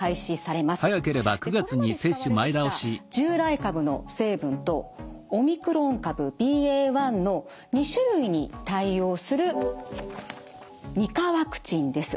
これまで使われてきた従来株の成分とオミクロン株ＢＡ．１の２種類に対応する２価ワクチンです。